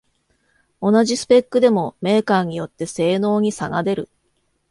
同じスペックでもメーカーによって性能に差が出る